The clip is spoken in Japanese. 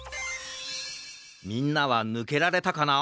みんなはぬけられたかな？